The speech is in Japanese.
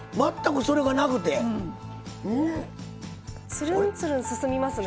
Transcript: つるんつるん進みますね。